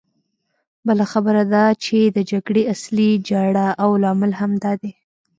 بله خبره دا چې د جګړې اصلي جرړه او لامل همدی دی.